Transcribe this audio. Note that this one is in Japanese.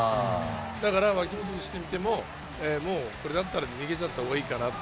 だから脇本としてみても、もうこれだったら逃げちゃった方がいいかなと